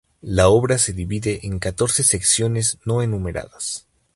La obra se divide en catorce secciones no enumeradas.